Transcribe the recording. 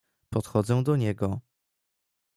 "Podchodzę do niego."